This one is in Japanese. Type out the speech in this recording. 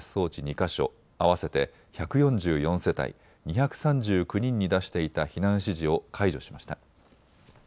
か所合わせて１４４世帯２３９人に出していた避難指示を解除しました。